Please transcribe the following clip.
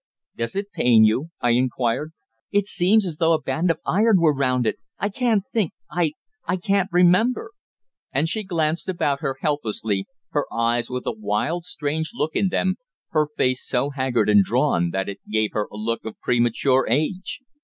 "Does it pain you?" I inquired. "It seems as though a band of iron were round it. I can't think. I I can't remember!" And she glanced about her helplessly, her eyes with a wild strange look in them, her face so haggard and drawn that it gave her a look of premature age.